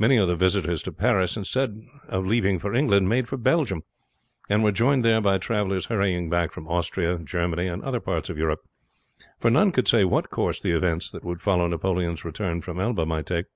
Many of the visitors to Paris instead of leaving for England made for Belgium, and were joined there by travelers hurrying back from Austria, Germany, and other parts of Europe; for none could say what course the events that would follow Napoleon's return from Elba might take.